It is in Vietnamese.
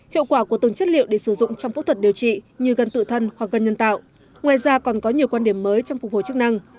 hiệu quả của từng chất liệu để sử dụng trong phẫu thuật điều trị như gần tự thân hoặc gân nhân tạo ngoài ra còn có nhiều quan điểm mới trong phục hồi chức năng